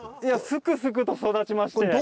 すくすくと育ちまして。